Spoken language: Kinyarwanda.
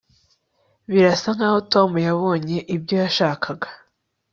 birasa nkaho tom yabonye ibyo yashakaga